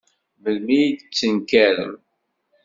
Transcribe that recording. Melmi ay d-tettenkarem?